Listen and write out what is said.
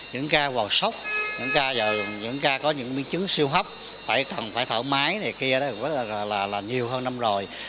những ca vào sốt những ca có những biến chứng siêu hấp phải thở mái này kia là nhiều hơn năm rồi